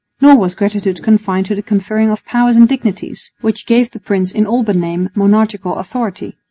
Nor was gratitude confined to the conferring of powers and dignities which gave the prince in all but name monarchical authority.